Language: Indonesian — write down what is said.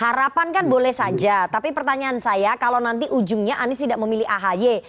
harapan kan boleh saja tapi pertanyaan saya kalau nanti ujungnya anies tidak memilih ahy